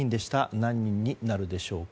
何人になるでしょうか。